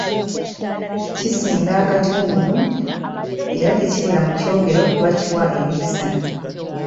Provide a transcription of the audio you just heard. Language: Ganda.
Kisinga akatungulu era tekibula mu kyogero kuba kiwa emikisa.